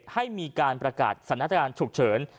ให้มีการประกาศสถานการณ์ฉุกเฉิน